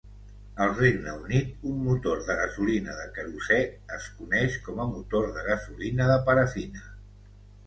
Al Regne Unit, un motor de gasolina de querosè es coneix com a motor de gasolina de parafina.